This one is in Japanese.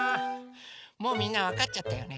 もうみんなわかっちゃったよね